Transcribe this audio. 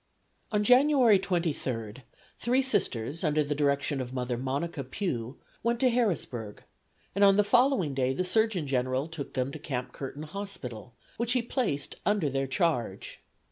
On January 23 three Sisters under the direction of Mother Monica Pue, went to Harrisburg, and on the following day the Surgeon General took them to Camp Curtin Hospital, which he placed under their charge.